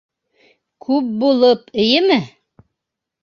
— Күп булып, эйеме?